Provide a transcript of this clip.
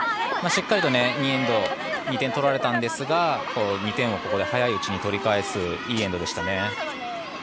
しっかりと２エンド２点取られたんですが２点を、早いうちに取り返すいいエンドでしたね。